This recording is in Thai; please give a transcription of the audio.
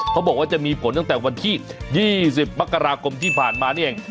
เขาบอกว่าจะมีผลตั้งแต่วันที่๒๐มกราคมที่ผ่านมานี่เอง